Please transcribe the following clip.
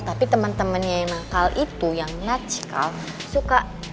tapi teman teman yang nakal itu yang nyacikal suka